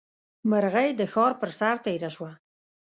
مرغۍ د ښار پر سر تېره شوه.